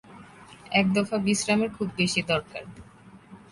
এক দফা বিশ্রামের খুব বেশী দরকার।